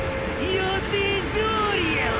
予定どおりやわ！！